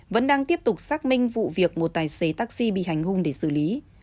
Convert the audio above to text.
vẫn đang tiếp tục xác minh vụ việc một tài xế taxi bị hành hung để xử lý